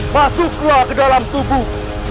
masuklah ke dalam tubuh